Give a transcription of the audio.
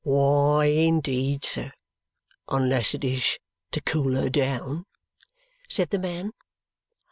"Why, indeed, sir, unless it is to cool her down!" said the man.